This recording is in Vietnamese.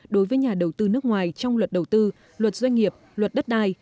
đối với nhà đầu tư nước ngoài trong luật đầu tư luật doanh nghiệp luật đất đai